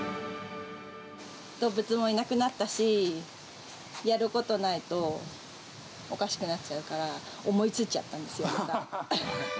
動物もいなくなったし、やることないと、おかしくなっちゃうから、思いついちゃったんですよ、また。